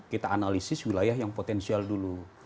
kita analisis wilayah yang potensial dulu